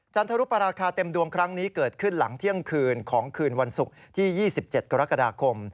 จรุปราคาเต็มดวงครั้งนี้เกิดขึ้นหลังเที่ยงคืนของคืนวันศุกร์ที่๒๗กรกฎาคม